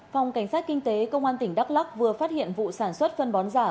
phòng cảnh sát kinh tế công an tỉnh đắk lắc vừa phát hiện vụ sản xuất phân bón giả